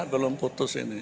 belum putus ini